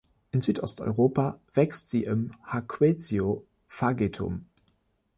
In Südosteuropa wächst sie im Hacquetio-Fagetum.